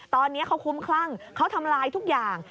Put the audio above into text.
ตอนนี้เขาคุ้มคลั่งเขาทำลายทุกอย่าง